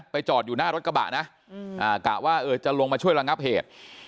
จอดอยู่หน้ารถกระบะนะกะว่าจะลงมาช่วยระงับเหตุ